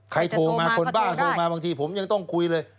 โทรมาคนบ้าโทรมาบางทีผมยังต้องคุยเลย